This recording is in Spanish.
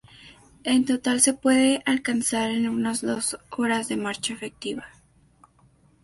En total, se puede alcanzar en unas dos horas de marcha efectiva.